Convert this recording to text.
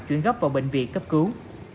chuyển góp vào bệnh viện cấp cứu